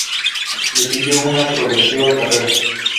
Le siguió una progresiva carrera.